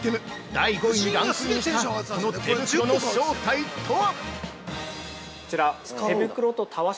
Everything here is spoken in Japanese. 第５位にランクインしたこの手袋の正体とは？